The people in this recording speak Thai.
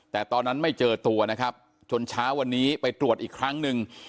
แต่ตอนนั้นไม่เจอตัวนะครับจนเช้าวันนี้ไปตรวจอีกครั้งหนึ่ง